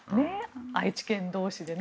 愛知県同士でね。